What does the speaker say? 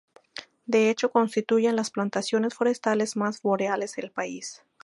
De hecho constituyen las plantaciones forestales más boreales del país.